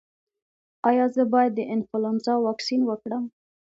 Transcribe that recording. ایا زه باید د انفلونزا واکسین وکړم؟